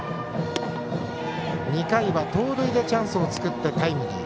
２回は盗塁でチャンスを作ってタイムリー。